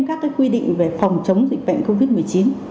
các quy định về phòng chống dịch bệnh covid một mươi chín